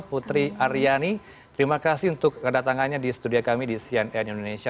putri aryani terima kasih untuk kedatangannya di studio kami di cnn indonesia